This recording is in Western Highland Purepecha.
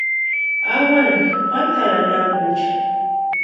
Awani juatarhu anapucha.